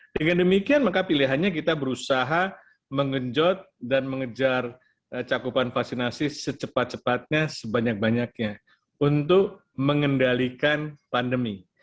dengan demikian maka pilihannya kita berusaha mengejot dan mengejar cakupan vaksinasi secepat cepatnya sebanyak banyaknya untuk mengendalikan pandemi